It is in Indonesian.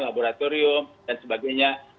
laboratorium dan sebagainya